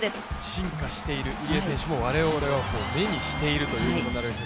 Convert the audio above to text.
進化している入江選手も我々は目にしているということになります。